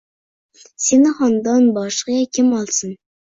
– Seni xondan boshqasi kim olsin?